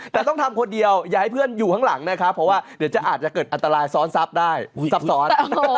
แต่ต้องทำคนเดียวอย่าให้เพื่อนอยู่ข้างหลังนะครับเพราะว่าเดี๋ยวจะอาจจะเกิดอันตรายซ้อนทรัพย์ได้ซับซ้อน